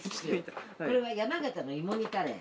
これは山形のいも煮カレー。